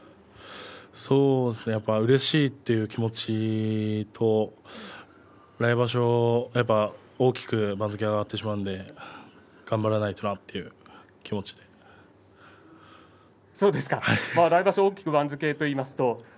そうですね、うれしいという気持ちと来場所、大きく番付が上がってしまうので頑張らないといけないという気持ちです。